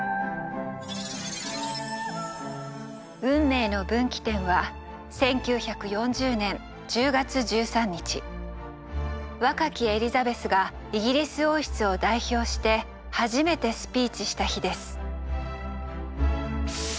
運命の分岐点は若きエリザベスがイギリス王室を代表して初めてスピーチした日です。